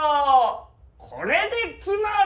これで決まり！